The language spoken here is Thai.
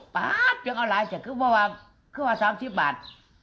ป๊า๊บยังเอาไหลแต่คือว่า๓๐บาท